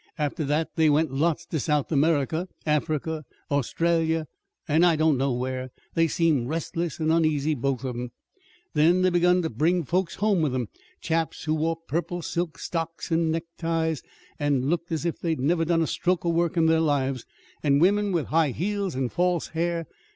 After that they went lots to South America, Africa, Australia, and I don't know where. They seemed restless and uneasy both of 'em. "Then they begun ter bring folks home with 'em: chaps who wore purple silk socks and neckties, and looked as if they'd never done a stroke of work in their lives; and women with high heels and false hair.